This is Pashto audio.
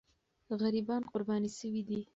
غریبان قرباني سوي دي.